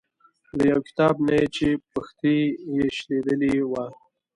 له یو کتاب نه یې چې پښتۍ یې شلیدلې وه.